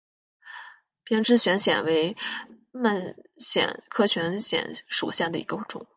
鞭枝悬藓为蔓藓科悬藓属下的一个种。